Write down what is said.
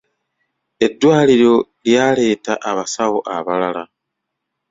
Eddwaliro lyaleeta abasawo abalala.